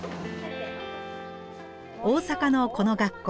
大阪のこの学校。